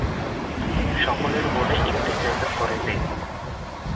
সকলের মনে এটি জায়গা করে নেয়।